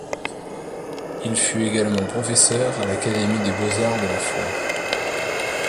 Il fut également professeur à l'Académie des Beaux-Arts de la Fleur.